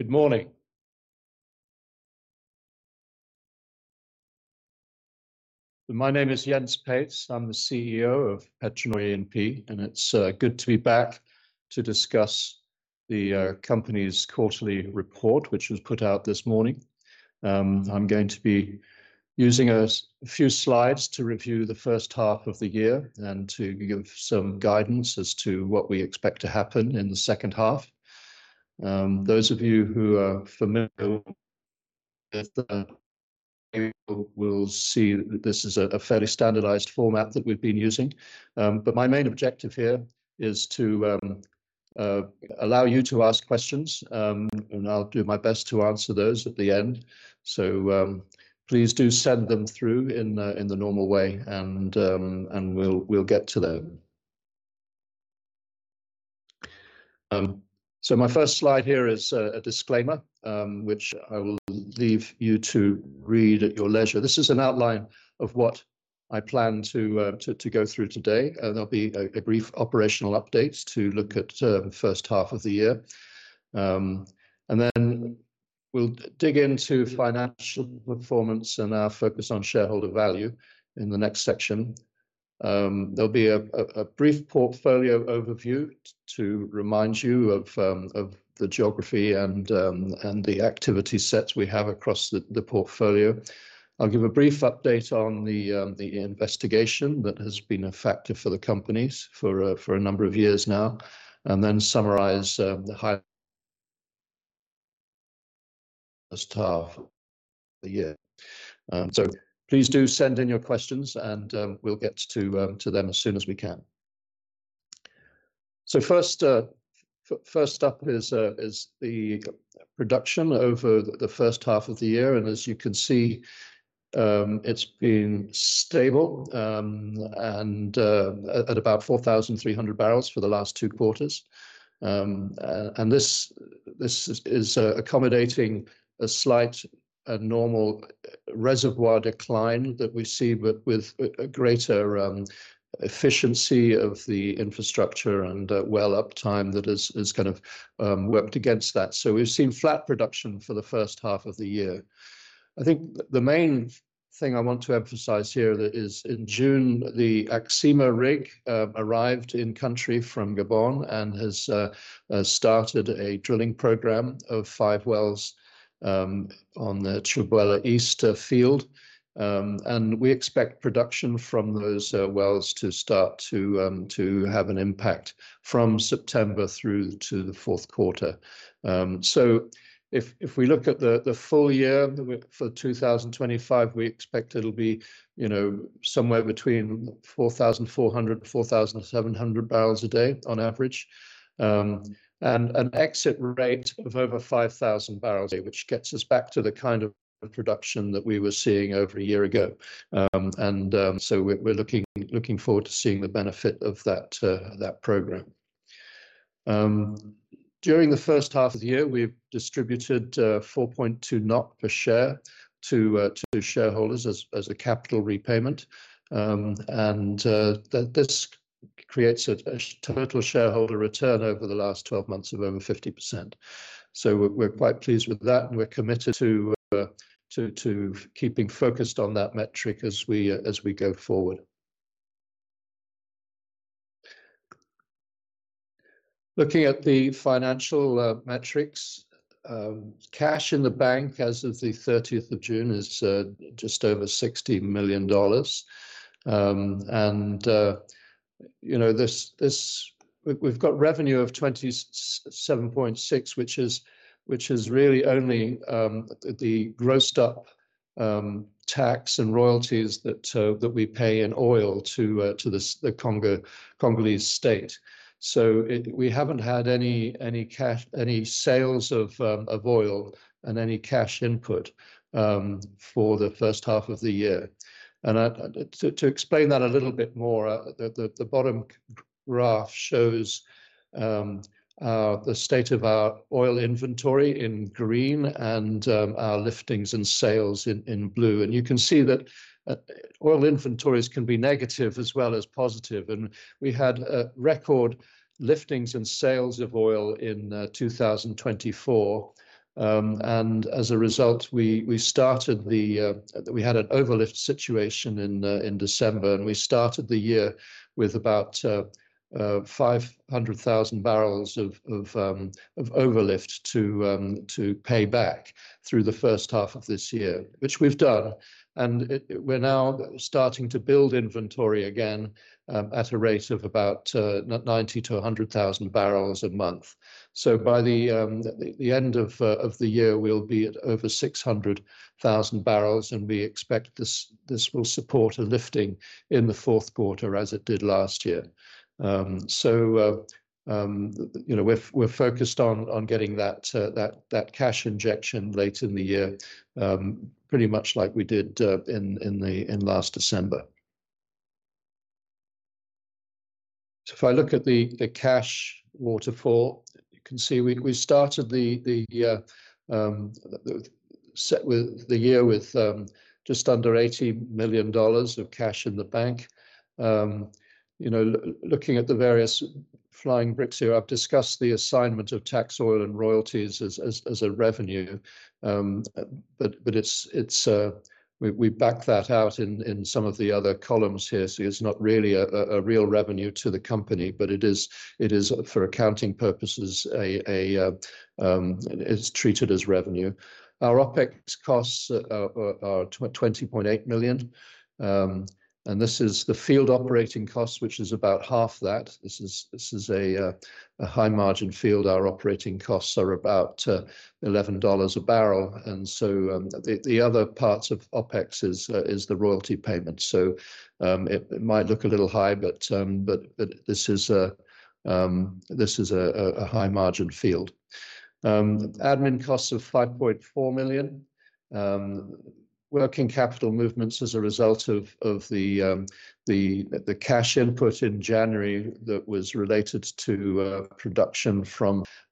Good morning. My name is Jens Pace. I'm the CEO of PetroNor E&P, and it's good to be back to discuss the company's quarterly report, which was put out this morning. I'm going to be using a few slides to review the first half of the year and to give some guidance as to what we expect to happen in the second half. Those of you who are familiar with the data will see that this is a fairly standardized format that we've been using. My main objective here is to allow you to ask questions, and I'll do my best to answer those at the end. Please do send them through in the normal way, and we'll get to them. My first slide here is a disclaimer, which I will leave you to read at your leisure. This is an outline of what I plan to go through today. There'll be a brief operational update to look at the first half of the year. We'll dig into financial performance and our focus on shareholder value in the next section. There'll be a brief portfolio overview to remind you of the geography and the activity sets we have across the portfolio. I'll give a brief update on the investigation that has been effective for the companies for a number of years now and then summarize the highest half of the year. Please do send in your questions, and we'll get to them as soon as we can. First up is the production over the first half of the year. As you can see, it's been stable at about 4,300 barrels for the last two quarters. This is accommodating a slight and normal reservoir decline that we see with a greater efficiency of the infrastructure and well-up time that has kind of worked against that. We've seen flat production for the first half of the year. I think the main thing I want to emphasize here is in June, the Axima rig arrived in country from Gabon and has started a drilling program of five wells on the Choboila East field. We expect production from those wells to start to have an impact from September through to the fourth quarter. If we look at the full year for 2025, we expect it'll be somewhere between 4,400 barrels-4,700 barrels a day on average, and an exit rate of over 5,000 barrels, which gets us back to the kind of production that we were seeing over a year ago. We're looking forward to seeing the benefit of that program. During the first half of the year, we've distributed 4.2 per share to shareholders as a capital repayment. This creates a total shareholder return over the last 12 months of over 50%. We're quite pleased with that, and we're committed to keeping focused on that metric as we go forward. Looking at the financial metrics, cash in the bank as of the 30th of June is just over $60 million. We've got revenue of $27.6 million, which is really only the grossed-up tax and royalties that we pay in oil to the Congolese state. We haven't had any sales of oil and any cash input for the first half of the year. To explain that a little bit more, the bottom graph shows the state of our oil inventory in green and our liftings and sales in blue. You can see that oil inventories can be negative as well as positive. We had record liftings and sales of oil in 2024. As a result, we had an overlift situation in December, and we started the year with about 500,000 barrels of overlift to pay back through the first half of this year, which we've done. We're now starting to build inventory again at a rate of about 90,000 barrels-100,000 barrels a month. By the end of the year, we'll be at over 600,000 barrels, and we expect this will support a lifting in the fourth quarter as it did last year. We're focused on getting that cash injection late in the year, pretty much like we did last December. If I look at the cash waterfall, you can see we started the year with just under $80 million of cash in the bank. Looking at the various flying bricks here, I've discussed the assignment of tax oil and royalties as a revenue, but we back that out in some of the other columns here. It's not really a real revenue to the company, but for accounting purposes, it's treated as revenue. Our operating expenses are $20.8 million. This is the field operating cost, which is about half that. This is a high-margin field. Our operating costs are about $11 a barrel. The other part of operating expenses is the royalty payment. It might look a little high, but this is a high-margin field. Admin costs are $5.4 million. Working capital movements as a result of the cash input in January that was related to production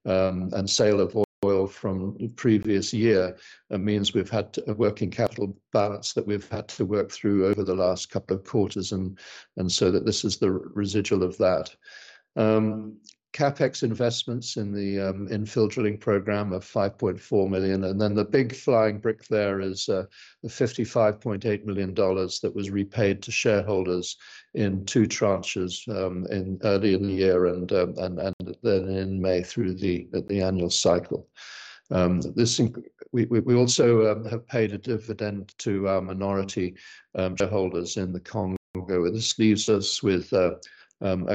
and sale of oil from the previous year means we've had a working capital balance that we've had to work through over the last couple of quarters. This is the residual of that. Capital expenditures investments in the infill drilling program are $5.4 million. The big flying brick there is the $55.8 million that was repaid to shareholders in two tranches early in the year and then in May through the annual cycle. We also have paid a dividend to our minority shareholders in the Congo. This leaves us with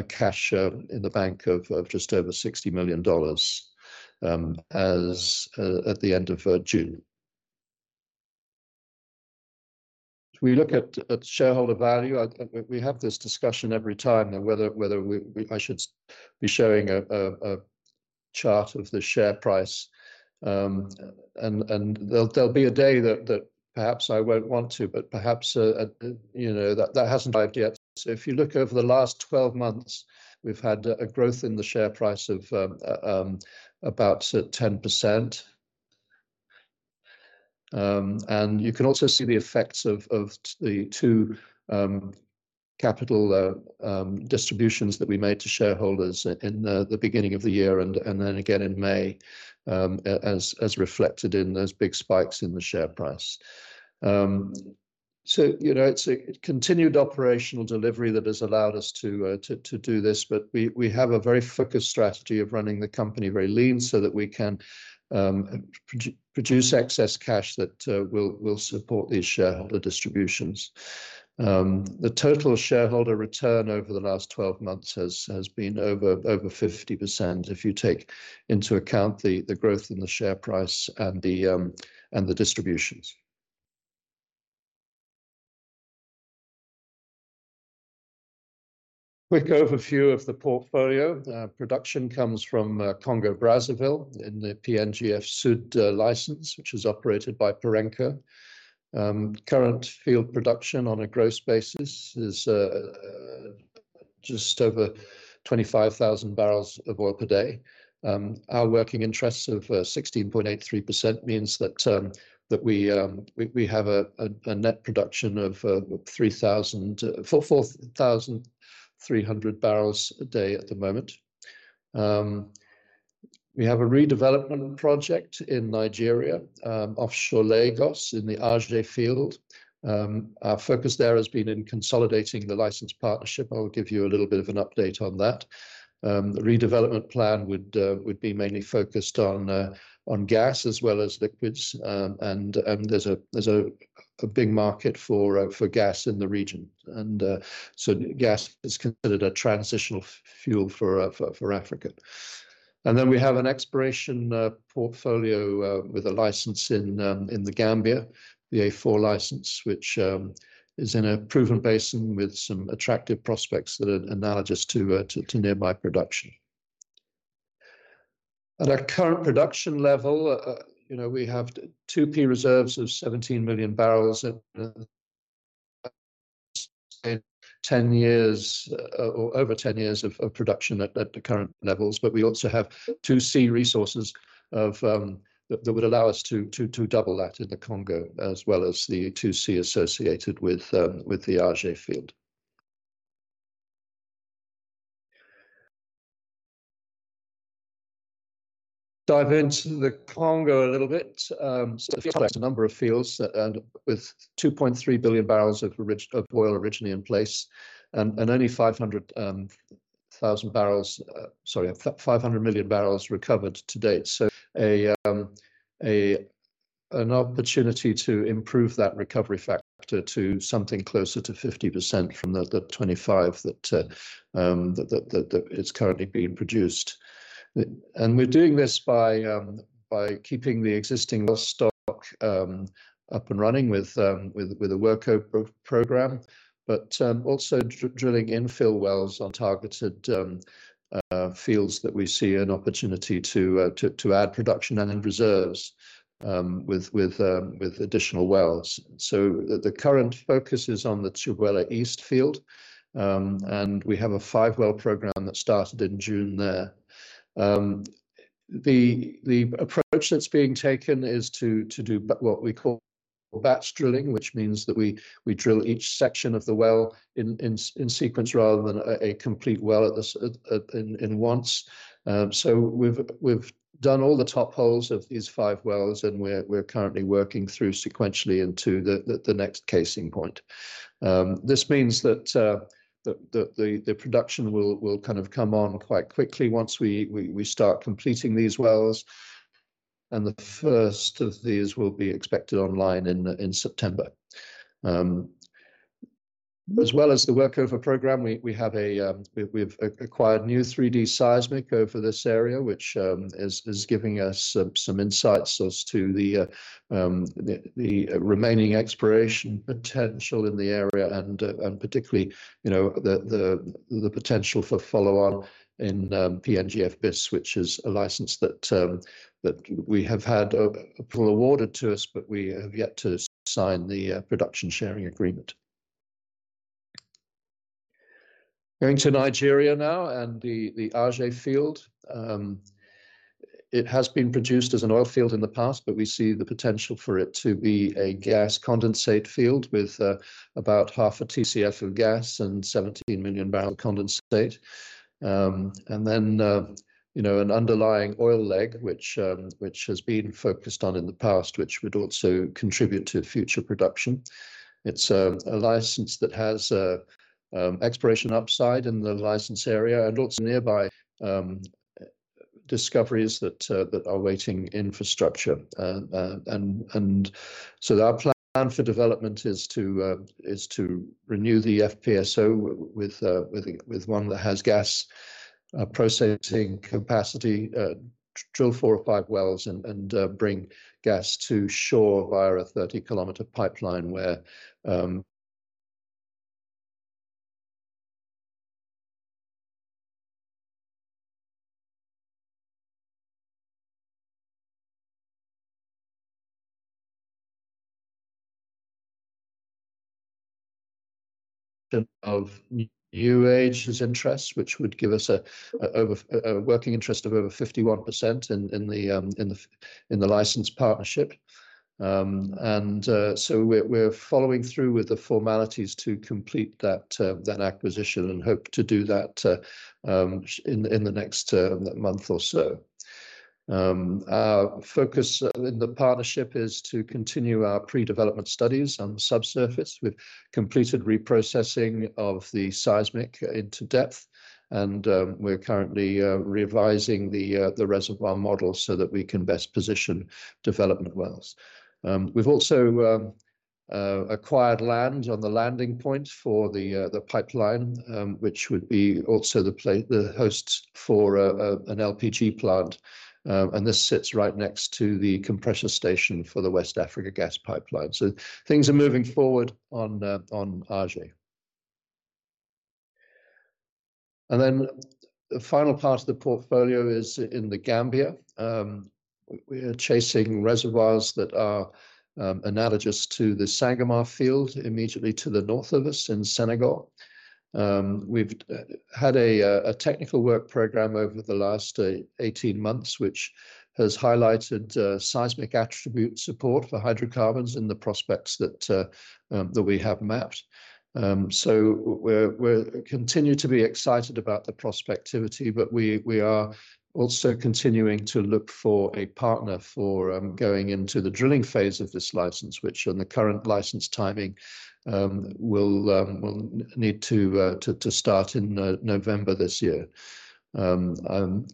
cash in the bank of just over $60 million at the end of June. We look at shareholder value. We have this discussion every time whether I should be showing a chart of the share price. There'll be a day that perhaps I won't want to, but perhaps that hasn't arrived yet. If you look over the last 12 months, we've had a growth in the share price of about 10%. You can also see the effects of the two capital distributions that we made to shareholders in the beginning of the year and then again in May, as reflected in those big spikes in the share price. It's a continued operational delivery that has allowed us to do this, but we have a very focused strategy of running the company very lean so that we can produce excess cash that will support these shareholder distributions. The total shareholder return over the last 12 months has been over 50% if you take into account the growth in the share price and the distributions. Quick overview of the portfolio. Production comes from Congo (Brazzaville) in the PNGF Sud license, which is operated by Parenco. Current field production on a gross basis is just over 25,000 barrels of oil per day. Our working interest of 16.83% means that we have a net production of 4,300 barrels a day at the moment. We have a redevelopment project in Nigeria, offshore Lagos in the Aje field. Our focus there has been in consolidating the licensed partnership. I'll give you a little bit of an update on that. The redevelopment plan would be mainly focused on gas as well as liquids. There's a big market for gas in the region. Gas is considered a transitional fuel for Africa. We have an exploration portfolio with a license in The Gambia, the A4 license, which is in a proven basin with some attractive prospects that are analogous to nearby production. At our current production level, we have 2P reserves of 17 million barrels and 10 years or over 10 years of production at the current levels. We also have 2C resources that would allow us to double that in the Congo as well as the 2C associated with the Aje field. Dive into the Congo a little bit. We've got a number of fields with 2.3 billion barrels of oil originally in place and only 500 million barrels recovered to date. An opportunity to improve that recovery factor to something closer to 50% from the 25% that is currently being produced. We are doing this by keeping the existing stock up and running with a work program, but also drilling infill wells on targeted fields where we see an opportunity to add production and reserves with additional wells. The current focus is on the Chubbula East field, and we have a five-well program that started in June there. The approach that's being taken is to do what we call batch drilling, which means that we drill each section of the well in sequence rather than a complete well at once. We have done all the top holes of these five wells, and we are currently working through sequentially into the next casing point. This means that the production will come on quite quickly once we start completing these wells. The first of these will be expected online in September. As well as the workover program, we have acquired new 3D seismic over this area, which is giving us some insights as to the remaining exploration potential in the area and particularly the potential for follow-on in PNGF BIS, which is a license that we have had awarded to us, but we have yet to sign the production sharing agreement. Going to Nigeria now and the Ajay field. It has been produced as an oil field in the past, but we see the potential for it to be a gas-condensate field with about half a TCF of gas and 17 million barrel condensate. An underlying oil leg, which has been focused on in the past, would also contribute to future production. It is a license that has an exploration upside in the license area and also nearby discoveries that are awaiting infrastructure. Our plan for development is to renew the FPSO with one that has gas processing capacity, drill four or five wells, and bring gas to shore via a 30-kilometer pipeline where New Age is interest, which would give us a working interest of over 51% in the licensed partnership. We are following through with the formalities to complete that acquisition and hope to do that in the next month or so. Our focus in the partnership is to continue our pre-development studies on the subsurface. We have completed reprocessing of the seismic into depth, and we are currently revising the reservoir model so that we can best position development wells. We have also acquired land on the landing points for the pipeline, which would also be the host for an LPG plant. This sits right next to the compressor station for the West Africa gas pipeline. Things are moving forward on Ajay. The final part of the portfolio is in The Gambia. We are chasing reservoirs that are analogous to the Sangamar field immediately to the north of us in Senegal. We've had a technical work program over the last 18 months, which has highlighted seismic attribute support for hydrocarbons in the prospects that we have mapped. We continue to be excited about the prospectivity, but we are also continuing to look for a partner for going into the drilling phase of this license, which on the current license timing will need to start in November this year. I'm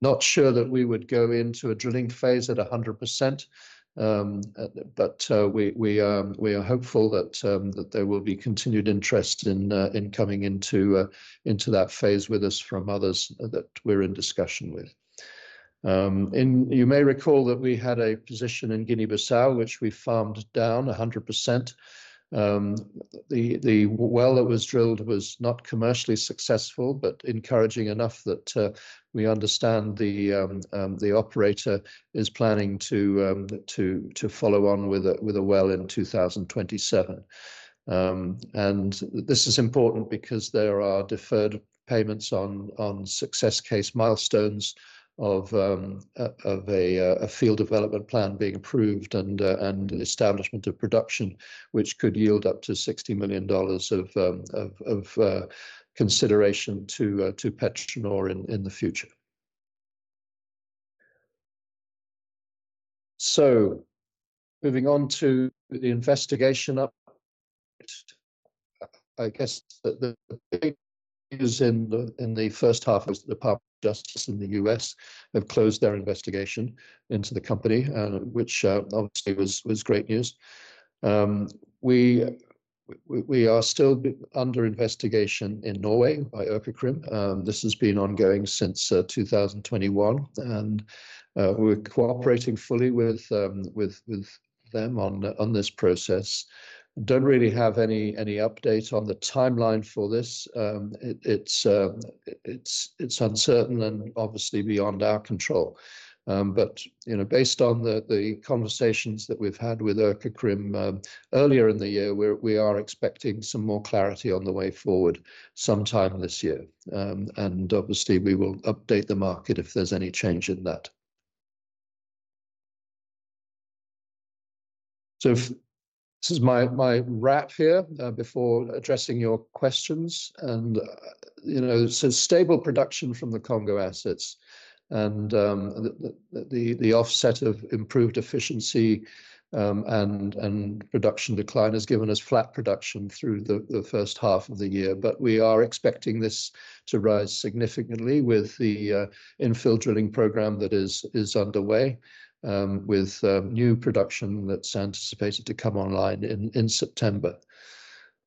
not sure that we would go into a drilling phase at 100%, but we are hopeful that there will be continued interest in coming into that phase with us from others that we're in discussion with. You may recall that we had a position in Guinea-Bissau, which we farmed down 100%. The well that was drilled was not commercially successful, but encouraging enough that we understand the operator is planning to follow on with a well in 2027. This is important because there are deferred payments on success case milestones of a field development plan being approved and the establishment of production, which could yield up to $60 million of consideration to PetroNor E&P in the future. Moving on to the investigation, the big news in the first half was that the U.S. Department of Justice had closed their investigation into the company, which obviously was great news. We are still under investigation in Norway by Økokrim. This has been ongoing since 2021, and we're cooperating fully with them on this process. I don't really have any updates on the timeline for this. It's uncertain and obviously beyond our control. Based on the conversations that we've had with Økokrim earlier in the year, we are expecting some more clarity on the way forward sometime this year. We will update the market if there's any change in that. This is my wrap here before addressing your questions. It says stable production from the Congo (Brazzaville) assets. The offset of improved efficiency and production decline has given us flat production through the first half of the year. We are expecting this to rise significantly with the infill drilling program that is underway with new production that's anticipated to come online in September.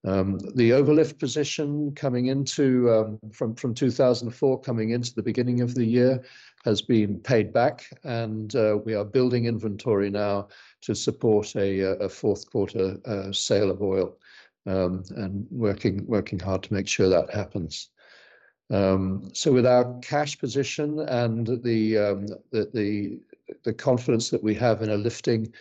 The overlift position coming in from 2004 coming into the beginning of the year has been paid back, and we are building inventory now to support a fourth quarter sale of oil and working hard to make sure that happens. With our cash position and the confidence that we have in a lifting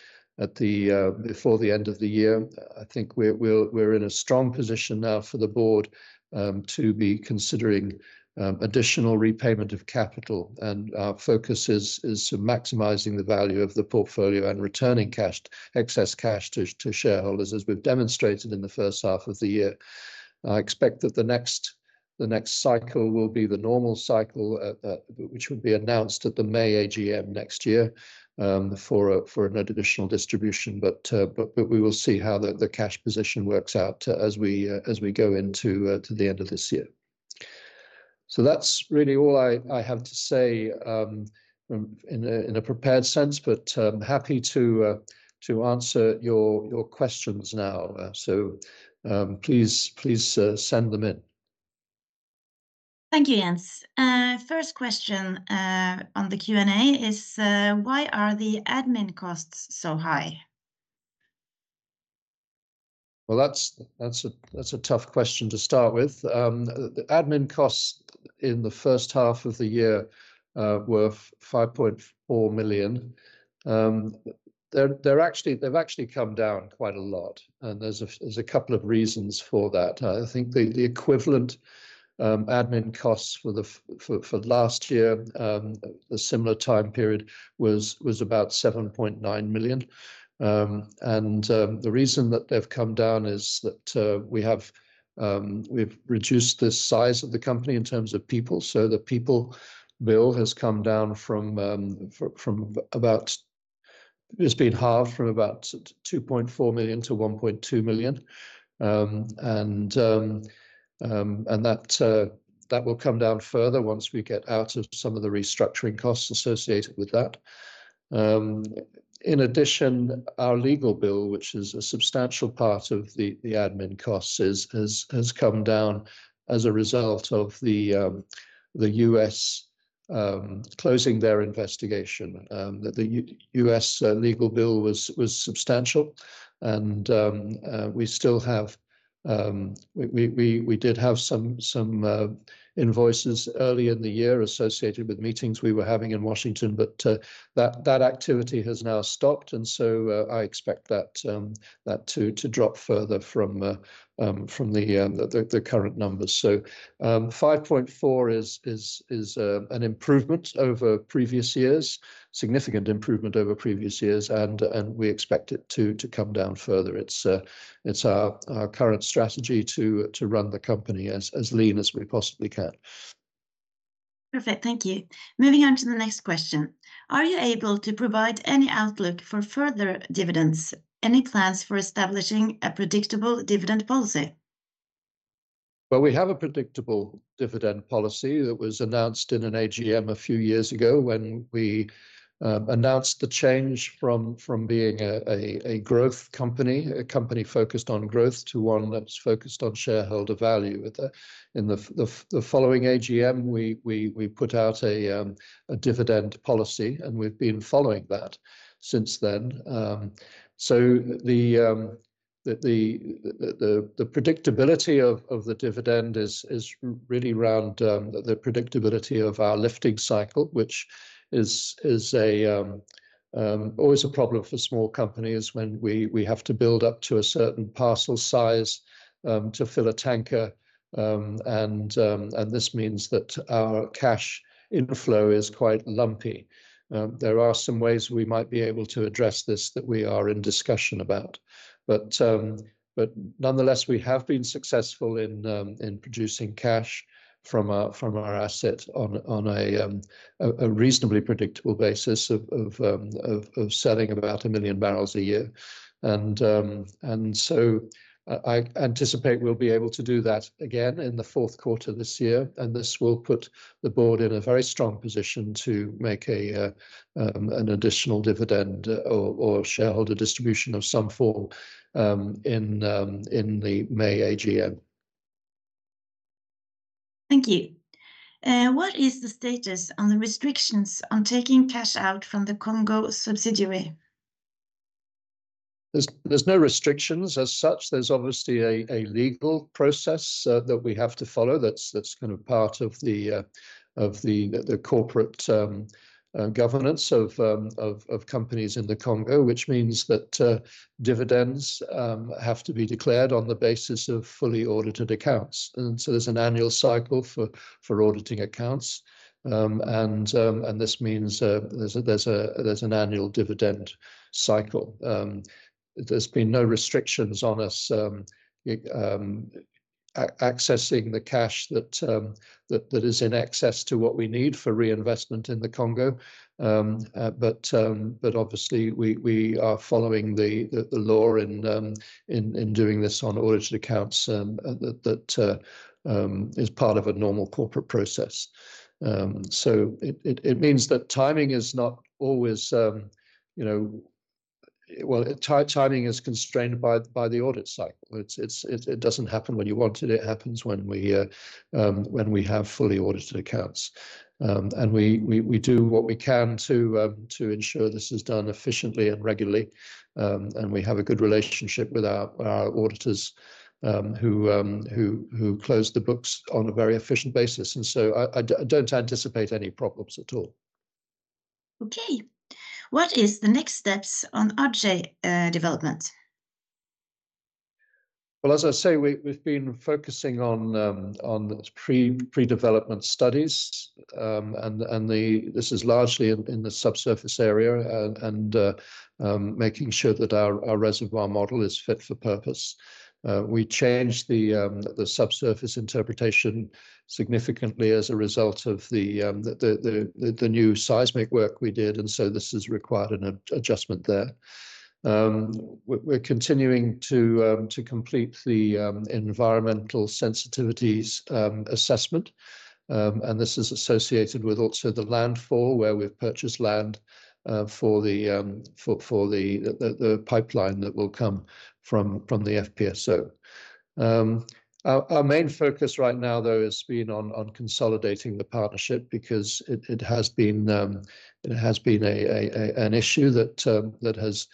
before the end of the year, I think we're in a strong position now for the board to be considering additional repayment of capital. Our focus is to maximize the value of the portfolio and returning excess cash to shareholders, as we've demonstrated in the first half of the year. I expect that the next cycle will be the normal cycle, which would be announced at the May AGM next year for an additional distribution. We will see how the cash position works out as we go into the end of this year. That's really all I have to say in a prepared sense, but I'm happy to answer your questions now. Please send them in. Thank you, Jens. First question on the Q&A is, why are the admin costs so high? That's a tough question to start with. The admin costs in the first half of the year were $5.4 million. They've actually come down quite a lot, and there's a couple of reasons for that. I think the equivalent admin costs for last year, a similar time period, was about $7.9 million. The reason that they've come down is that we've reduced the size of the company in terms of people. The people bill has come down from about, it's been halved from about $2.4 million to $1.2 million. That will come down further once we get out of some of the restructuring costs associated with that. In addition, our legal bill, which is a substantial part of the admin costs, has come down as a result of the U.S. closing their investigation. The U.S. legal bill was substantial. We did have some invoices early in the year associated with meetings we were having in Washington, but that activity has now stopped. I expect that to drop further from the current numbers. $5.4 million is an improvement over previous years, significant improvement over previous years, and we expect it to come down further. It's our current strategy to run the company as lean as we possibly can. Perfect. Thank you. Moving on to the next question. Are you able to provide any outlook for further dividends? Any plans for establishing a predictable dividend policy? We have a predictable dividend policy that was announced in an AGM a few years ago when we announced the change from being a growth company, a company focused on growth, to one that's focused on shareholder value. In the following AGM, we put out a dividend policy, and we've been following that since then. The predictability of the dividend is really around the predictability of our lifting cycle, which is always a problem for small companies when we have to build up to a certain parcel size to fill a tanker. This means that our cash inflow is quite lumpy. There are some ways we might be able to address this that we are in discussion about. Nonetheless, we have been successful in producing cash from our asset on a reasonably predictable basis of selling about 1 million barrels a year. I anticipate we'll be able to do that again in the fourth quarter this year. This will put the board in a very strong position to make an additional dividend or shareholder distribution of some form in the May AGM. Thank you. What is the status on the restrictions on taking cash out from the Congo (Brazzaville) subsidiary? There's no restrictions as such. There's obviously a legal process that we have to follow that's kind of part of the corporate governance of companies in the Congo, which means that dividends have to be declared on the basis of fully audited accounts. There's an annual cycle for auditing accounts, and this means there's an annual dividend cycle. There's been no restrictions on us accessing the cash that is in excess to what we need for reinvestment in the Congo. Obviously, we are following the law in doing this on audited accounts that is part of a normal corporate process. It means that timing is not always, timing is constrained by the audit cycle. It doesn't happen when you want it. It happens when we have fully audited accounts. We do what we can to ensure this is done efficiently and regularly. We have a good relationship with our auditors who close the books on a very efficient basis. I don't anticipate any problems at all. Okay. What is the next steps on Ajay development? We have been focusing on pre-development studies. This is largely in the subsurface area and making sure that our reservoir model is fit for purpose. We changed the subsurface interpretation significantly as a result of the new seismic work we did, and this has required an adjustment there. We're continuing to complete the environmental sensitivities assessment. This is associated with the landfall where we've purchased land for the pipeline that will come from the FPSO. Our main focus right now has been on consolidating the partnership because it has been an issue that has,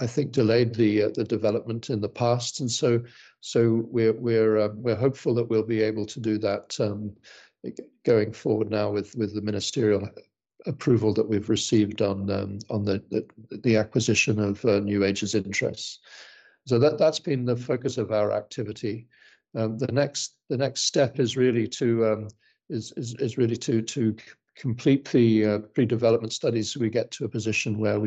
I think, delayed the development in the past. We are hopeful that we'll be able to do that going forward now with the ministerial approval that we've received on the acquisition of New Age's interests. That's been the focus of our activity. The next step is really to complete the pre-development studies so we get to a position where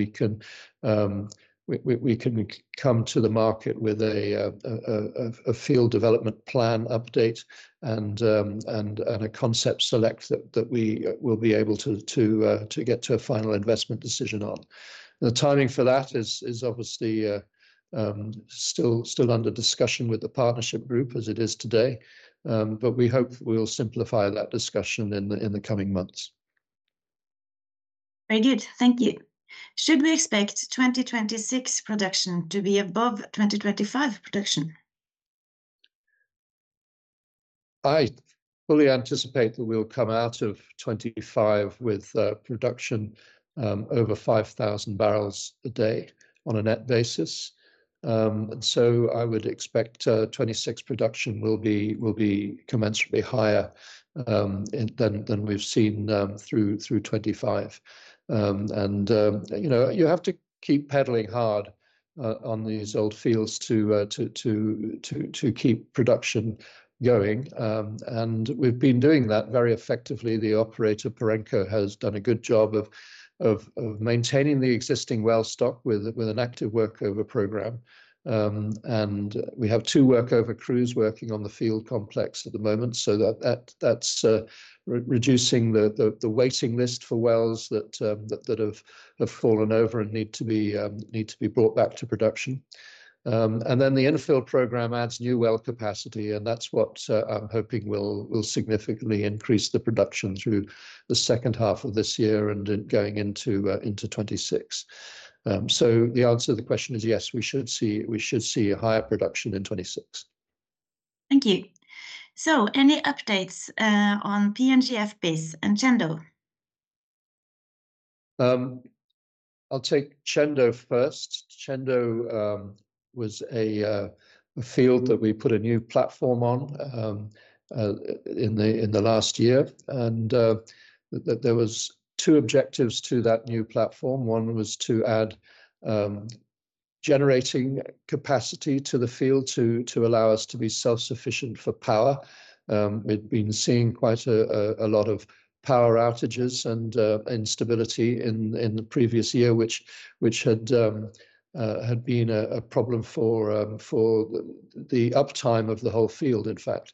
we can come to the market with a field development plan update and a concept select that we will be able to get to a final investment decision on. The timing for that is obviously still under discussion with the partnership group as it is today. We hope that we'll simplify that discussion in the coming months. Very good. Thank you. Should we expect 2026 production to be above 2025 production? I fully anticipate that we'll come out of 2025 with production over 5,000 barrels a day on a net basis. I would expect 2026 production will be commensurately higher than we've seen through 2025. You have to keep pedaling hard on these old fields to keep production going. We've been doing that very effectively. The operator, Perenco, has done a good job of maintaining the existing well stock with an active workover program. We have two workover crews working on the field complex at the moment. That's reducing the waiting list for wells that have fallen over and need to be brought back to production. The infill program adds new well capacity. That's what I'm hoping will significantly increase the production through the second half of this year and going into 2026. The answer to the question is yes, we should see higher production in 2026. Thank you. Any updates on PNGF Sud and Chubbula East? I'll take Tchendo first. Tchendo was a field that we put a new platform on in the last year. There were two objectives to that new platform. One was to add generating capacity to the field to allow us to be self-sufficient for power. We've been seeing quite a lot of power outages and instability in the previous year, which had been a problem for the uptime of the whole field, in fact.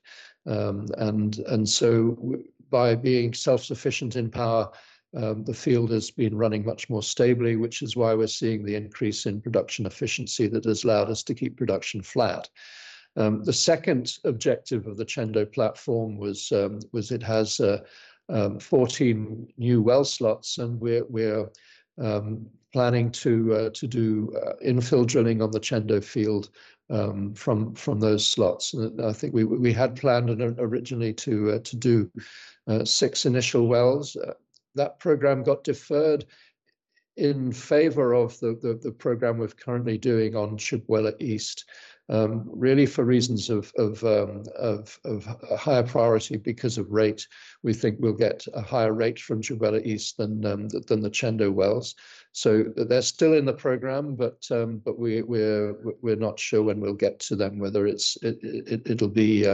By being self-sufficient in power, the field has been running much more stably, which is why we're seeing the increase in production efficiency that has allowed us to keep production flat. The second objective of the Tchendo platform was it has 14 new well slots. We're planning to do infill drilling on the Tchendo field from those slots. I think we had planned originally to do six initial wells. That program got deferred in favor of the program we're currently doing on Chubulla East, really for reasons of higher priority because of rate. We think we'll get a higher rate from Chubulla East than the Tchendo wells. They're still in the program, but we're not sure when we'll get to them, whether it'll be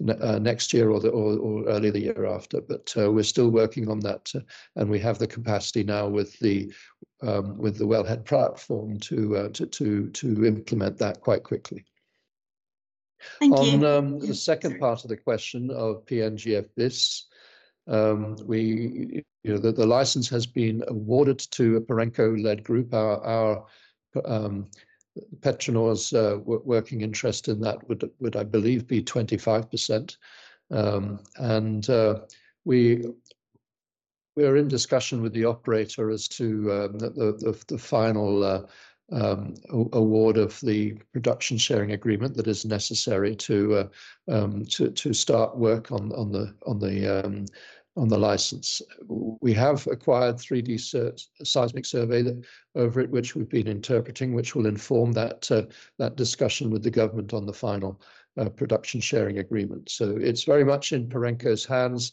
next year or early the year after. We're still working on that. We have the capacity now with the wellhead platform to implement that quite quickly. Thank you. On the second part of the question of PNGF BIS, the license has been awarded to a Perenco-led group. Our PetroNor's working interest in that would, I believe, be 25%. We're in discussion with the operator as to the final award of the production sharing agreement that is necessary to start work on the license. We have acquired 3D seismic survey over it, which we've been interpreting, which will inform that discussion with the government on the final production sharing agreement. It is very much in Perenco's hands.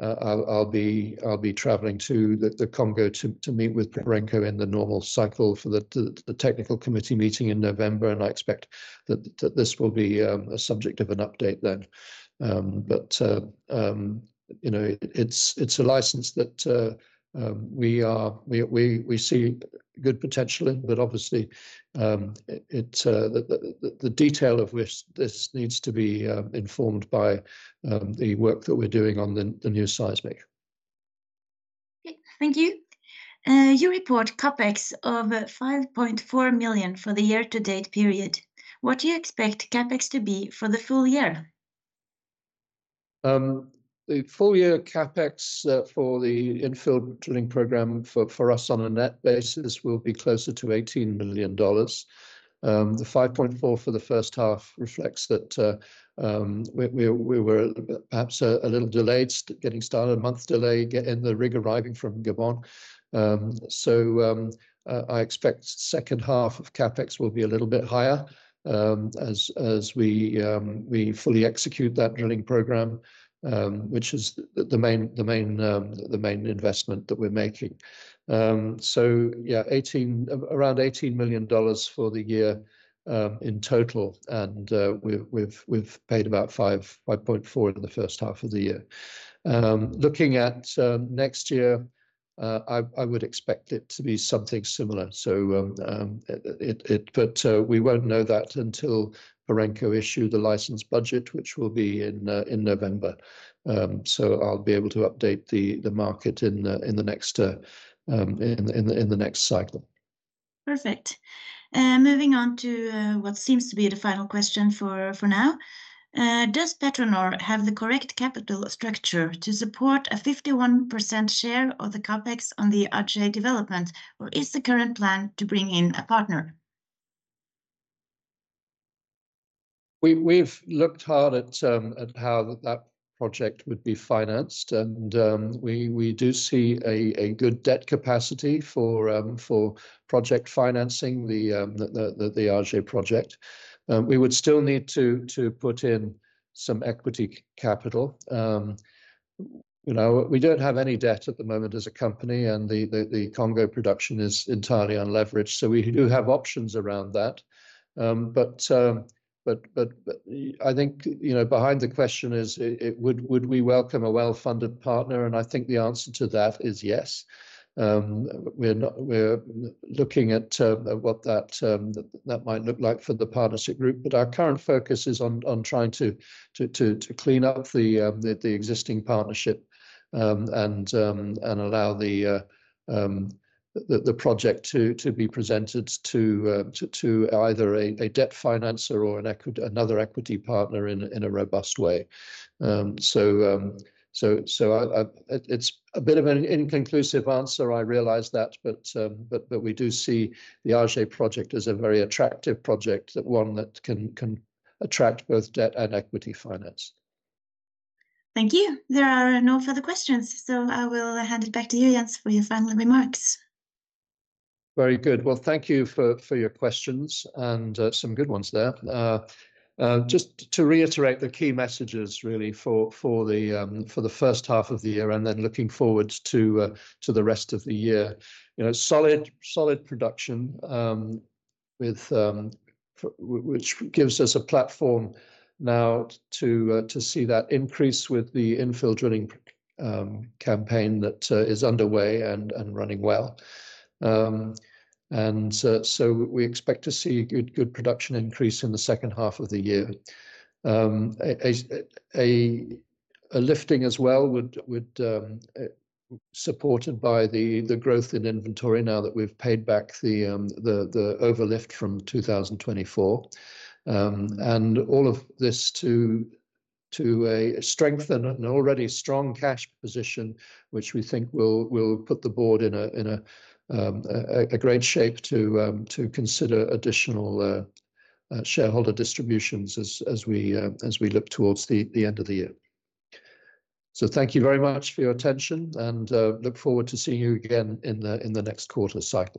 I'll be traveling to the Congo to meet with Perenco in the normal cycle for the technical committee meeting in November. I expect that this will be a subject of an update then. It is a license that we see good potential in, but obviously, the detail of which needs to be informed by the work that we're doing on the new seismic. Okay. Thank you. You report CapEx of $5.4 million for the year-to-date period. What do you expect CapEx to be for the full year? The full year CapEx for the infill drilling program for us on a net basis will be closer to $18 million. The $5.4 million for the first half reflects that we were perhaps a little delayed getting started, a month delay in the rig arriving from Gabon. I expect the second half of CapEx will be a little bit higher as we fully execute that drilling program, which is the main investment that we're making. Yeah, around $18 million for the year in total. We've paid about $5.4 million in the first half of the year. Looking at next year, I would expect it to be something similar. We won't know that until Perenco issues the license budget, which will be in November. I'll be able to update the market in the next cycle. Perfect. Moving on to what seems to be the final question for now. Does PetroNor E&P have the correct capital structure to support a 51% share of the CapEx on the Ajay development, or is the current plan to bring in a partner? We've looked hard at how that project would be financed. We do see a good debt capacity for project financing the Ajay project. We would still need to put in some equity capital. We don't have any debt at the moment as a company, and the Congo production is entirely unleveraged. We do have options around that. I think behind the question is, would we welcome a well-funded partner? I think the answer to that is yes. We're looking at what that might look like for the partnership group. Our current focus is on trying to clean up the existing partnership and allow the project to be presented to either a debt financer or another equity partner in a robust way. It's a bit of an inconclusive answer, I realize that, but we do see the Ajay project as a very attractive project, one that can attract both debt and equity finance. Thank you. There are no further questions. I will hand it back to you, Jens, for your final remarks. Very good. Thank you for your questions and some good ones there. Just to reiterate the key messages, really, for the first half of the year and then looking forward to the rest of the year. You know, solid production, which gives us a platform now to see that increase with the infill drilling campaign that is underway and running well. We expect to see a good production increase in the second half of the year. A lifting as well would be supported by the growth in inventory now that we've paid back the overlift from 2024. All of this to a strength and an already strong cash position, which we think will put the board in a great shape to consider additional shareholder distributions as we look towards the end of the year. Thank you very much for your attention and look forward to seeing you again in the next quarter cycle.